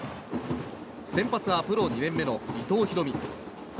先発はプロ２年目の伊藤大海。